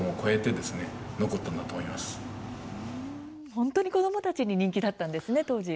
本当に子どもたちに人気だったんですね、当時。